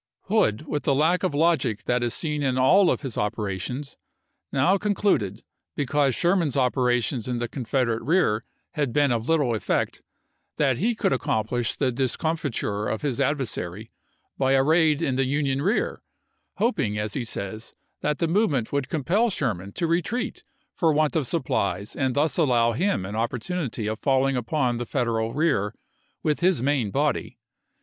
Hood, with the lack of logic that is seen in all of his operations, now concluded, because Sherman's operations in the Confederate rear had been of little effect, that he could accomplish the discomfiture of his adversary by a raid in the Union rear; hoping, as he says, that the movement would compel Sher man to retreat for want of supplies and thus allow ATLANTA 281 him an opportunity of falling upon the Federal chap. xii. rear with his main body.